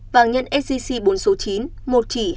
vàng nhân sgc bốn số chín một trị